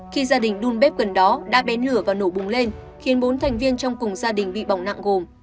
khi gia đình đun bếp gần đó đã bén lửa và nổ bùng lên khiến bốn thành viên trong cùng gia đình bị bỏng nặng gồm